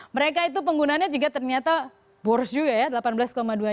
mereka itu penggunanya juga ternyata boros juga ya